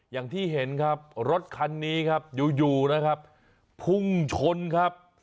อย่างที่เห็นครับรถคันนี้ครับอยู่อยู่นะครับพุ่งชนครับ